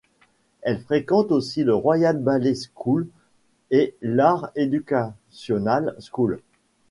Elle fréquente aussi le Royal Ballet School et l'Arts Educational Schools.